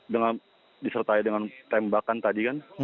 dengan disertai dengan tembakan tadi kan